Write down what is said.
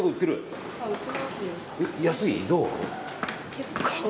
結構。